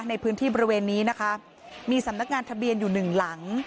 ในพื้นที่บริเวณนี้นะคะมีสำนักงานทะเบียนอยู่หนึ่งหลัง